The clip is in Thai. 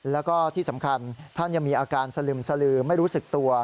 แล้วก็ที่สำคัญท่านยังมีอาการสลึมสลือไม่รู้สึกตัว